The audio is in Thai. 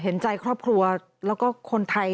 เห็นใจครอบครัวแล้วก็คนไทย